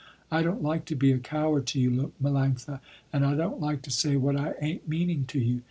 I don't like to be a coward to you, Melanctha, and I don't like to say what I ain't meaning to you.